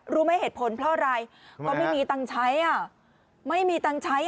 รู้ไหมเหตุผลเพราะอะไรก็ไม่มีตังค์ใช้อ่ะไม่มีตังค์ใช้